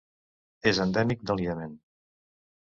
És endèmic del Iemen.